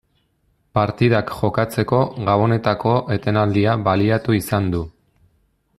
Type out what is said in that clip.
Partidak jokatzeko Gabonetako etenaldia baliatu izan du.